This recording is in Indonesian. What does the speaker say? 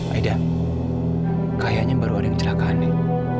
aida kayaknya baru ada yang cerahkan nih